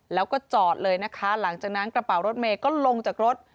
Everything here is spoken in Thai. แล้วก็จอดเลยนะคะหลังจากนั้นกระเป๋ารถเมย์ก็ลงจากรถ